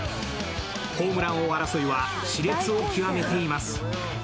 ホームラン王争いはしれつを極めています。